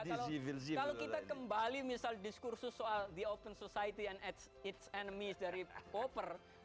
kalau kita kembali misal diskursus soal the open society and its enemies dari proper